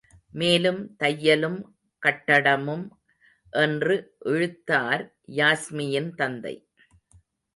மேலும் தையலும் கட்டடமும்.. என்று இழுத்தார் யாஸ்மியின் தந்தை.